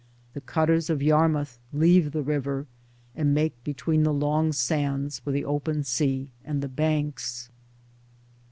The cutters of Yarmouth leave the river and make between the long sands for the open sea and the banks.